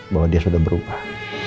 bahwa dia sudah berubah